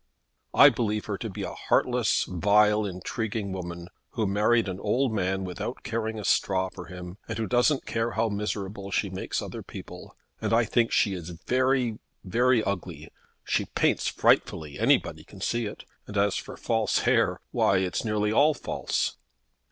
"I believe her to be a heartless, vile, intriguing woman, who married an old man without caring a straw for him, and who doesn't care how miserable she makes other people. And I think she is very very ugly. She paints frightfully. Anybody can see it. And as for false hair, why, it's nearly all false."